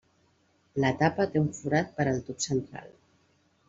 La tapa té un forat per al tub central.